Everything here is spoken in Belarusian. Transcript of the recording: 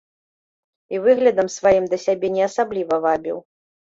І выглядам сваім да сябе не асабліва вабіў.